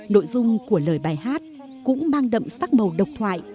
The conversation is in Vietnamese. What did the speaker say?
nội dung của lời bài hát cũng mang đậm sắc màu độc thoại